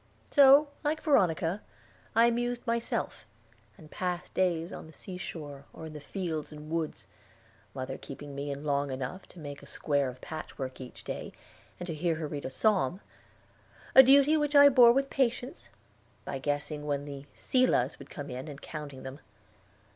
So, like Veronica, I amused myself, and passed days on the sea shore, or in the fields and woods, mother keeping me in long enough to make a square of patchwork each day and to hear her read a Psalm a duty which I bore with patience, by guessing when the "Selahs" would come in, and counting them.